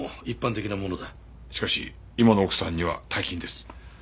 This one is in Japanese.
しかし今の奥さんには大金です。